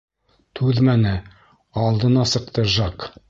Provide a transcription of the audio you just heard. Түҙмәне, алдына сыҡты Жак.